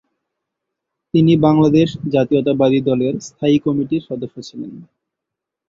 তিনি বাংলাদেশ জাতীয়তাবাদী দলের স্থায়ী কমিটির সদস্য ছিলেন।